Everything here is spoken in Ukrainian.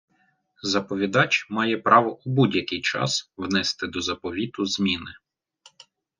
Заповідач має право у будь-який час внести до заповіту зміни.